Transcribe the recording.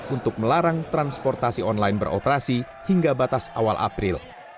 untuk melarang transportasi online beroperasi hingga batas awal april